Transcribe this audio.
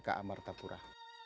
lapas lpk amartapura